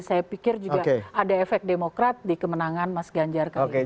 saya pikir juga ada efek demokrat di kemenangan mas ganjar kali ini